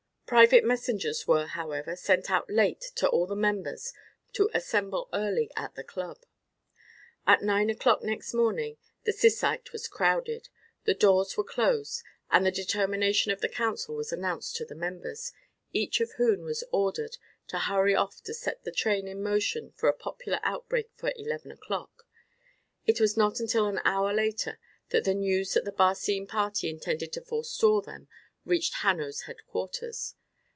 Private messengers were, however, sent out late to all the members to assemble early at the club. At nine o'clock next morning the Syssite was crowded, the doors were closed, and the determination of the council was announced to the members, each of whom was ordered to hurry off to set the train in motion for a popular outbreak for eleven o'clock. It was not until an hour later that the news that the Barcine party intended to forestall them reached Hanno's headquarters.